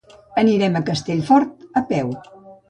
Anirem a Castellfort a peu.